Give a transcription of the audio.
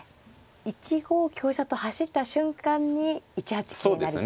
１五香車と走った瞬間に１八桂成が。